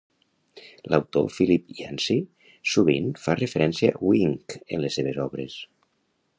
L'autor Philip Yancey sovint fa referència a Wink en les seves obres.